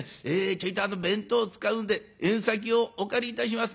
ちょいと弁当使うんで縁先をお借りいたします。